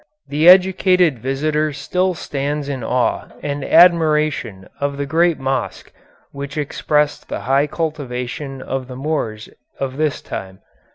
The educated visitor still stands in awe and admiration of the great mosque which expressed the high cultivation of the Moors of this time.